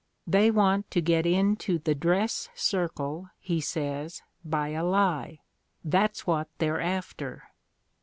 They want to ! get into the dress circle, he says, by a lie; that's what they're after!